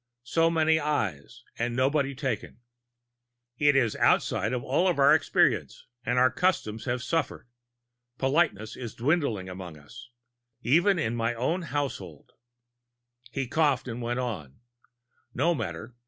So many Eyes and nobody taken! It is outside of all of our experience, and our customs have suffered. Politeness is dwindling among us. Even in my own household " He coughed and went on: "No matter.